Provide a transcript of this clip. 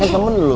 kan temen lu